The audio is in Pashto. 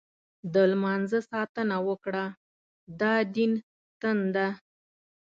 د لمانځه ساتنه وکړه، دا دین ستن ده.